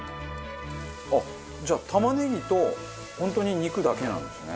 あっじゃあ玉ねぎと本当に肉だけなんですね。